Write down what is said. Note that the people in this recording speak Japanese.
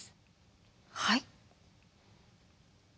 はい？